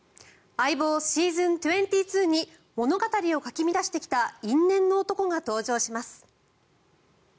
「相棒ｓｅａｓｏｎ２２」に物語をかき乱してきた因縁の男が登場します。